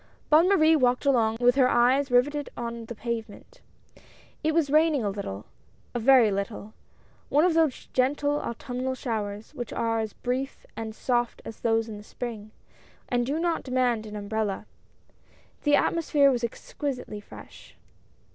Bonne Marie walked along with her eyes riveted on the pavement. It was raining a little — a very little — one of those gentle autumnal showers which are as brief and soft as those of the spring, and do not demand an umbrella. The atmosphere was exquisitely fresh.